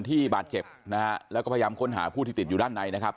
ที่บาดเจ็บนะฮะแล้วก็พยายามค้นหาผู้ที่ติดอยู่ด้านในนะครับ